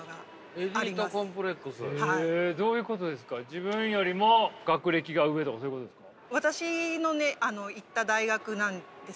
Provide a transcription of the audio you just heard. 自分よりも学歴が上とかそういうことですか？